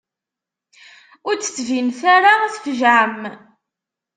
Ur d-ttbinet ara tfejεem.